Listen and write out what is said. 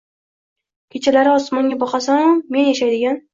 — Kechalari osmonga boqasan-u men yashaydigan